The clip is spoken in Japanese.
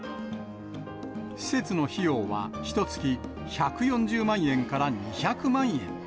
施設の費用はひとつき１４０万円から２００万円。